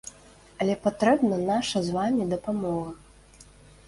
Але патрэбна наша з вамі дапамога.